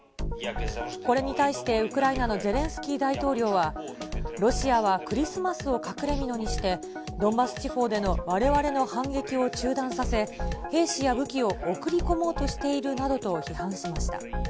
これに対して、ウクライナのゼレンスキー大統領は、ロシアはクリスマスを隠れみのにして、ドンバス地方でのわれわれの反撃を中断させ、兵士や武器を送り込もうとしているなどと批判しました。